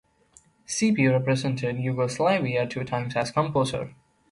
Sepe represented Yugoslavia two times as composer.